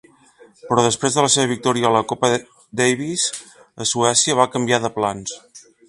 Però després de la seva victòria a la Copa Davis a Suècia, va canviar de plans.